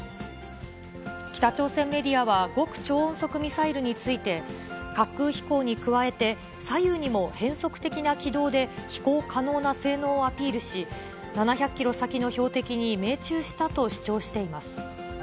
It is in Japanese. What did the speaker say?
北朝鮮メディアは、極超音速ミサイルについて、滑空飛行に加えて、左右にも変則的な軌道で飛行可能な性能をアピールし、７００キロ先の標的に命中したと主張しています。